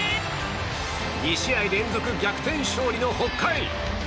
２試合連続逆転勝利の北海。